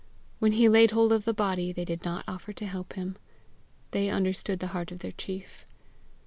When he laid hold of the body, they did not offer to help him; they understood the heart of their chief.